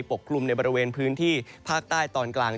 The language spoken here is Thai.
กลุ่มในบริเวณพื้นที่ภาคใต้ตอนกลาง